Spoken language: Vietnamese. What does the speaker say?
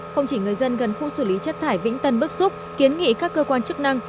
không chỉ người dân gần khu xử lý chất thải vĩnh tân bức xúc kiến nghị các cơ quan chức năng